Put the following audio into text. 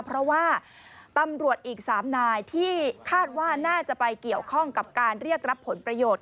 เพราะว่าตำรวจอีก๓นายที่คาดว่าน่าจะไปเกี่ยวข้องกับการเรียกรับผลประโยชน์